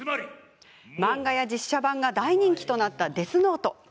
漫画や実写版が大人気となった「デスノート」。